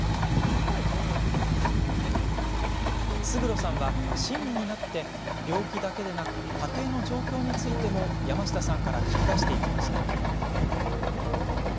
勝呂さんは、親身になって病気だけでなく家庭の状況についても山下さんから聞き出していきました。